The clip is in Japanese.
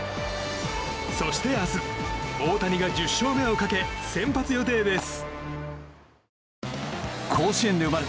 そして明日、大谷が１０勝目をかけ、先発予定です。